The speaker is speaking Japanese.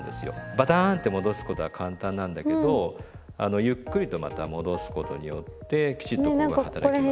バタンと戻すことは簡単なんだけどゆっくりとまた戻すことによってきちっとここが働きます。